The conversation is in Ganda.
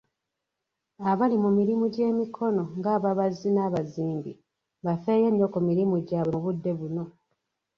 Abali mu mirimu gy'emikono ng'ababazzi, n'abazimbi, bafeeyo nnyo ku mirimu gyabwe mu budde buno.